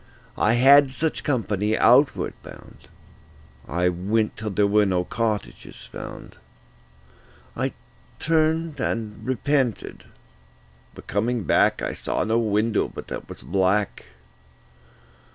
I had such company outward bound. I went till there were no cottages found. I turned and repented, but coming back I saw no window but that was black.